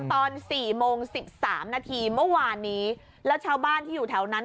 ตอนสี่โมงสิบสามนาทีเมื่อวานนี้แล้วชาวบ้านที่อยู่แถวนั้น